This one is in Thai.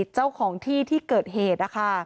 เจ้าของที่ที่เกิดเหตุนะคะ